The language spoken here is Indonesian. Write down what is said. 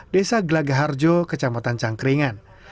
desa gelagah harjo kecamatan cangkeringan